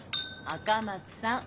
赤松さん。